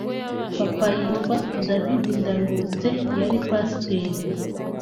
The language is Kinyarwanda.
Papa yitwa David Ndaruhutse yari Pasiteri